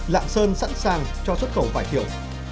lạng sơn sẵn sàng cho xuất khẩu vải thiệu